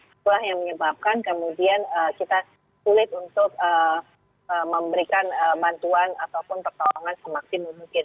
itulah yang menyebabkan kemudian kita sulit untuk memberikan bantuan ataupun pertolongan semaksimum mungkin